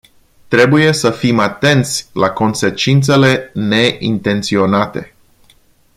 Trebuie să fim atenți la consecințele neintenționate.